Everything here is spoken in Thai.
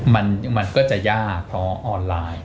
มันก็จะยากเพราะออนไลน์